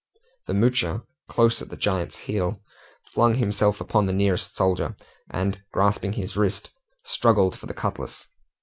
The Moocher, close at the giant's heels, flung himself upon the nearest soldier, and grasping his wrist, struggled for the cutlass.